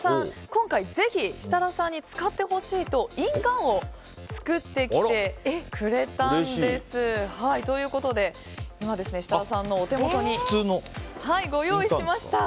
今回、ぜひ、設楽さんに使ってほしいと、印鑑を作ってきてくれたんです。ということで今、設楽さんのお手元にご用意しました。